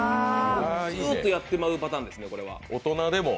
ずっとやってまうパターンですね。